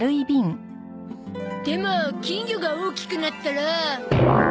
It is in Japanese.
でも金魚が大きくなったら。